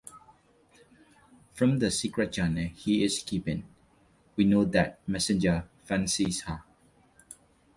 From the secret journal he is keeping, we know that Messenger fancies her.